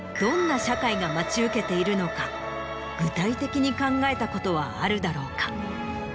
具体的に考えたことはあるだろうか？